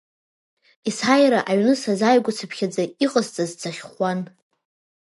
Есааира аҩны сазааигәахацыԥхьаӡа, иҟасҵаз сахьхәуан.